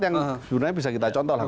yang sebenarnya bisa kita contoh lah